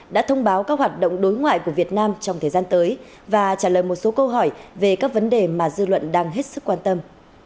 đã thông báo các hoạt động đối ngoại của việt nam trong thời gian tới và trả lời một số câu hỏi về các vấn đề mà dư luận đang hết sức quan tâm